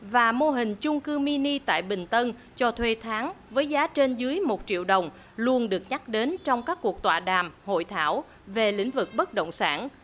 và mô hình chung cư mini tại bình tân cho thuê tháng với giá trên dưới một triệu đồng luôn được nhắc đến trong các cuộc tọa đàm hội thảo về lĩnh vực bất động sản